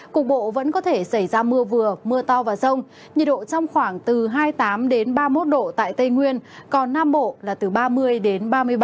cục bộ vẫn có thể xảy ra mưa vừa mưa to và rông nhiệt độ trong khoảng từ hai mươi tám ba mươi một độ tại tây nguyên còn nam bộ là từ ba mươi đến ba mươi ba độ